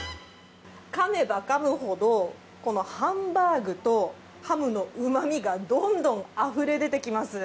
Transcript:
かめばかむほど、ハンバーグとハムのうまみがどんどんあふれ出てきます。